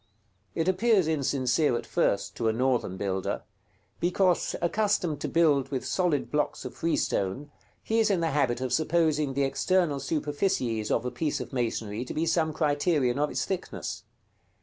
It appears insincere at first to a Northern builder, because, accustomed to build with solid blocks of freestone, he is in the habit of supposing the external superficies of a piece of masonry to be some criterion of its thickness.